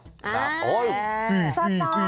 อ๋อฮือ